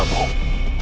ampun bukit pramu